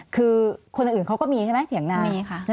คือคนอื่นเขาก็มีใช่ไหมเถียงนามีค่ะ